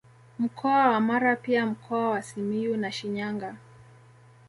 Mkoa wa Mara pia Mkoa wa Simiyu na Shinyanga